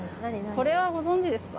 これはご存じですか？